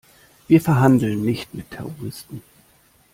Wir verhandeln nicht mit Terroristen.